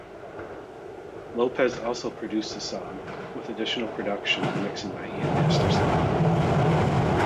Lopez also produced the song, with additional production and mixing by Ian Masterson.